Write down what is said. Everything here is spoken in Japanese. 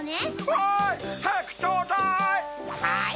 わいはやくちょうだい！